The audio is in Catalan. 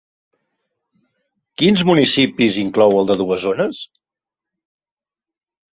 Quins municipis inclou el de dues zones?